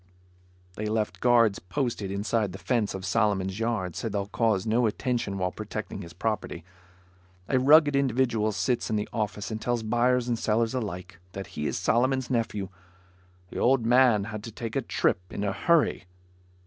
They left guards posted inside the fence of Solomon's yard, so they'll cause no attention while protecting his property. A rugged individual sits in the office and tells buyers and sellers alike, that he is Solomon's nephew. "The old man had to take a trip in a hurry."